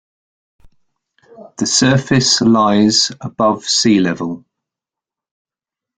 The surface lies above sea level.